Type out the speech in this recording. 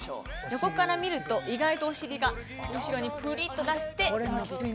横から見ると、意外とお尻をプリッと出して。